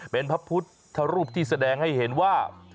เป็นพระพุทธรูปที่แสดงให้เห็นว่า